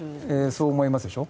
そう思いますでしょ？